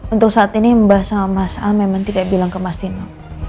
untuk saat ini mbak sama mas a memang tidak bilang ke mas dino